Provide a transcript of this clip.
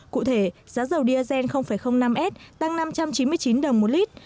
cụ thể giá dầu diesel năm s tăng năm trăm chín mươi chín đồng một lít